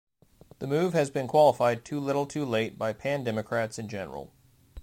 The move has been qualified "Too little, too late" by pan-democrats in general.